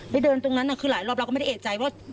เดินตรงนั้นคือหลายรอบเราก็ไม่ได้เอกใจว่า